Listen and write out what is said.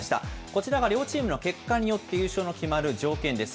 こちらは両チームの結果によって優勝の決まる条件です。